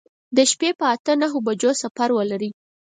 د شپې په اته نهو بجو سفر ولرئ.